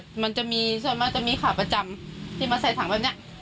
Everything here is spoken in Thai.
มันจะมีส่วนมากจะมีขาประจำที่มาใส่ถังแบบเนี้ย